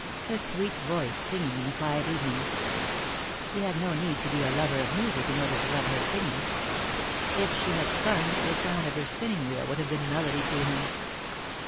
The sweet voice singing in the quiet evenings. He had no need to be a lover of music in order to love her singing. If she had spun, the sound of her spinning wheel would have been melody to him.